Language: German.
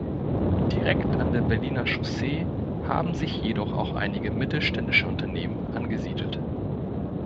Direkt an der Berliner Chaussee haben sich jedoch auch einige mittelständische Unternehmen angesiedelt.